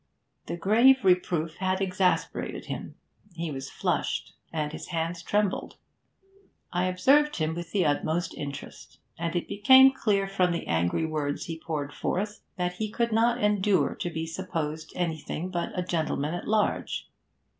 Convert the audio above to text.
The grave reproof had exasperated him; he was flushed and his hands trembled. I observed him with the utmost interest, and it became clear from the angry words he poured forth that he could not endure to be supposed anything but a gentleman at large.